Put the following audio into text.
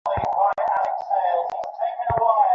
Police হওয়ার পর পিস্তল পেলে তুমি কাউকে গুলি করে খুনি হয়ে যাবে।